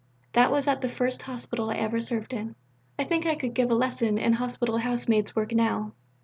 That was at the first Hospital I ever served in. I think I could give a lesson in Hospital housemaid's work now."